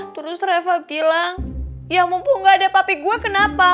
terus reva bilang ya mumpung gak ada papi gue kenapa